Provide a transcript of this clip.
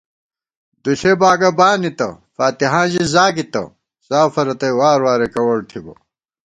دُوݪےباگہ بانِتہ فاتِحاں ژی زاگِتہ، سافہ رتئ واروراےکوَڑ تھِبہ